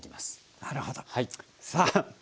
なるほど。さあ！